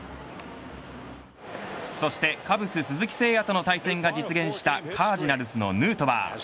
そしてカブス鈴木誠也との対戦が実現したカージナルスのヌートバー。